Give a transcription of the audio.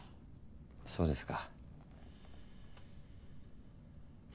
そうですか。